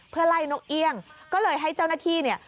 เพื่อไล่นกเอี่ยงก็เลยให้เจ้าหน้าที่เนี่ย